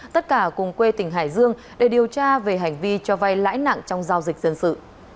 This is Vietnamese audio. tất cả cùng quê tỉnh hải dương để điều tra về hành vi cho vay lãi nặng trong giao dịch dân sự